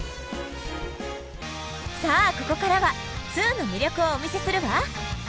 さあここからは「２」の魅力をお見せするわ！